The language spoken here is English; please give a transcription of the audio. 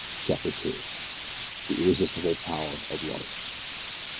CHAPTER TWO. THE IRRESISTIBLE POWER OF LOVE.